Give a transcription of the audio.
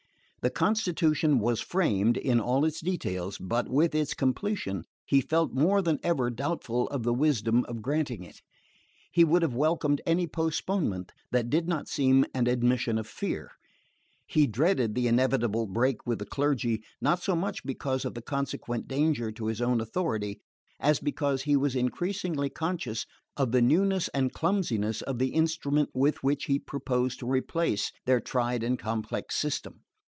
The constitution was framed in all its details, but with its completion he felt more than ever doubtful of the wisdom of granting it. He would have welcomed any postponement that did not seem an admission of fear. He dreaded the inevitable break with the clergy, not so much because of the consequent danger to his own authority, as because he was increasingly conscious of the newness and clumsiness of the instrument with which he proposed to replace their tried and complex system.